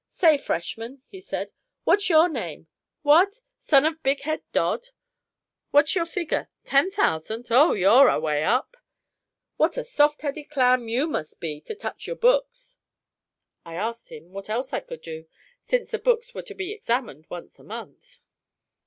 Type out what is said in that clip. "Say, Freshman," he said, "what's your name? What? Son of Big Head Dodd? What's your figure? Ten thousand? O, you're away up! What a soft headed clam you must be to touch your books!" I asked him what else I could do, since the books were to be examined once a month.